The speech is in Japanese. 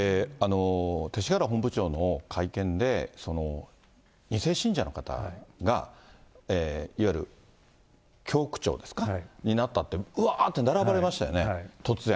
勅使河原本部長の会見で、２世信者の方が、いわゆる教区長ですか、になったって、うわーって並ばれましたよね、突然。